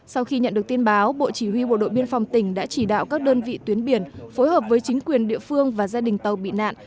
sau khi nhận được tin báo bộ chỉ huy bộ đội biên phòng tỉnh đã chỉ đạo các đơn vị tuyến biển phối hợp với chính quyền địa phương và gia đình tàu bị nạn